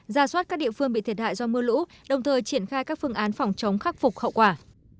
ra soát các địa phương bị thiệt hại do mưa lũ đồng thời triển khai các phương án phòng chống khắc phục hậu quả